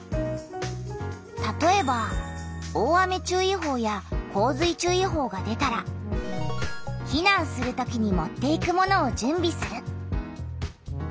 たとえば大雨注意報や洪水注意報が出たら「避難する時に持っていくものを準備する」。